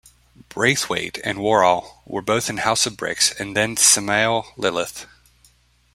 Braithwaite and Worrall were both in House of Bricks and then Samael Lilith.